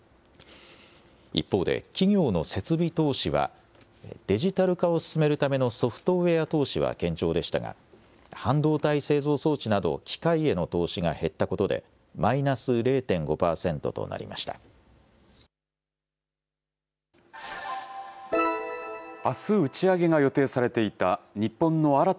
一方で、企業の設備投資は、デジタル化を進めるためのソフトウエア投資は堅調でしたが、半導体製造装置など機械への投資が減ったことで、マイナス０．５％となりました。